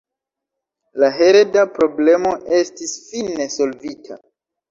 La hereda problemo estis fine solvita.